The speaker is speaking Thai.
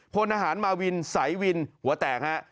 ผลอาหารมาวินใสวินหัวแตกครับ